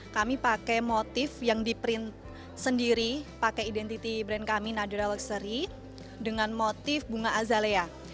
kami pakai motif yang di print sendiri pakai identity brand kami nadera luxury dengan motif bunga azalea